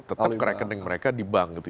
untuk rekening mereka di bank gitu